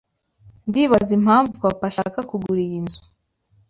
Ndibaza impamvu papa ashaka kugura iyo nzu.